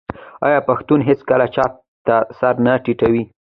آیا پښتون هیڅکله چا ته سر نه ټیټوي؟